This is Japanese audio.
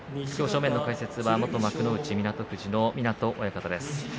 正面の解説は元幕内湊富士の湊親方です。